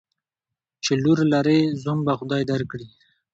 چی لور لرې ، زوم به خدای در کړي.